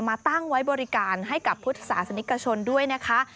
มาตั้งไว้บริการให้กับพุทธศาสนิกชนด้วยนะคะ